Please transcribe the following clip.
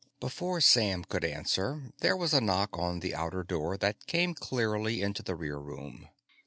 Before Sam could answer, there was a knock on the outer door that came clearly into the rear room.